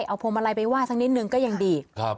เอาพวงมาลัยไปไห้สักนิดนึงก็ยังดี